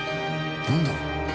なんだろう？